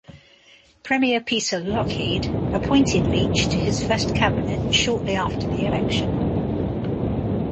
Premier Peter Lougheed appointed Leitch to his first cabinet shortly after the election.